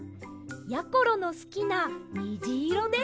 やころのすきなにじいろです。